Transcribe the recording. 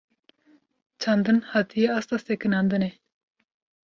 Çandin, hatiye asta sekinandinê